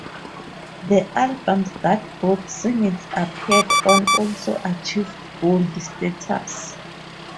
The albums that both singles appeared on also achieved Gold status.